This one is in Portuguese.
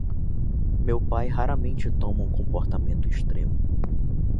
Meu pai raramente toma um comportamento extremo.